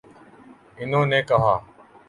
انہوں نے کہا